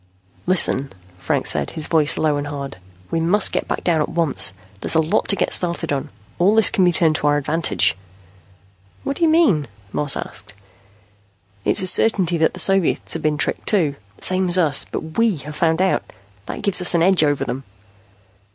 "Listen," Franks said, his voice low and hard. "We must get back down at once. There's a lot to get started on. All this can be turned to our advantage." "What do you mean?" Moss asked. "It's a certainty that the Soviets have been tricked, too, the same as us. But we have found out. That gives us an edge over them."